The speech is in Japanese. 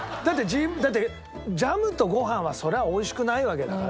だってジャムとご飯はそりゃ美味しくないわけだから。